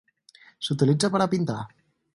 S'utilitza per a pintar.